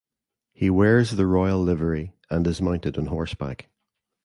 He wears the royal livery and is mounted on horseback.